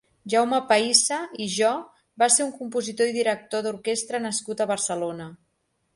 Jaume Pahissa i Jo va ser un compositor i director d'orquestra nascut a Barcelona.